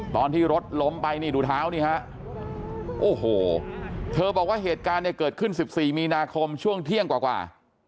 ตอนที่รถล้มไปนี่ดูเท้านี่ฮะโอ้โหเธอบอกว่าเหตุการณ์เนี่ยเกิดขึ้น๑๔มีนาคมช่วงเที่ยงกว่า